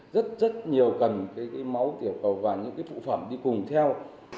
rất rất nhiều cần máu tiểu cầu và những phụ phẩm đi cùng theo